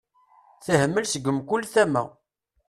Tehmel seg mkul tama.